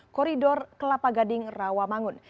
koridor kelapa gading rawamangun